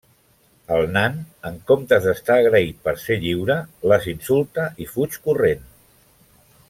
El nan, en comptes d'estar agraït per ser lliure, les insulta i fuig corrent.